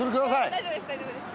大丈夫です大丈夫です。